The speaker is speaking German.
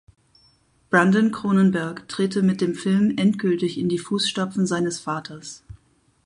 Brandon Cronenberg trete mit dem Film endgültig in die Fußstapfen seines Vaters.